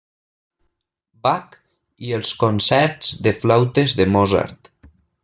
Bach i els concerts de flautes de Mozart.